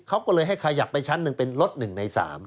เขาก็เลยให้ขยับไปชั้น๑เป็นลด๑ใน๓